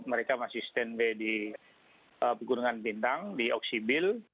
mereka masih stand by di pegunungan bintang di oksibil